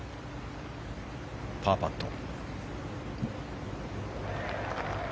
パーパット。